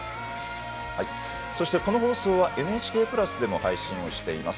なお、この放送は「ＮＨＫプラス」でも配信をしています。